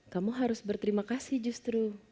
kamu harus berterima kasih justru